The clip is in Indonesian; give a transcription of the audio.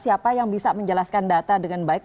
siapa yang bisa menjelaskan data dengan baik